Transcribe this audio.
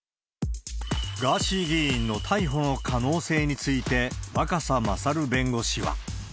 ガーシー議員の逮捕の可能性について、若狭勝弁護士は。